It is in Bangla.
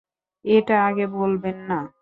এটা আগে বলবেন না?